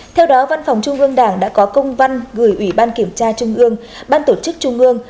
theo đó văn phòng trung ương đảng đã có công văn gửi ủy ban kiểm tra trung ương ban tổ chức trung ương